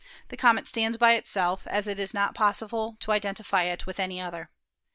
The comet stands by itself, as it is not possible to identify it with any other.